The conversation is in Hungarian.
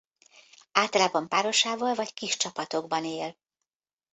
Általában párosával vagy kis csapatokban él.